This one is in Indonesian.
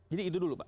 jadi itu dulu pak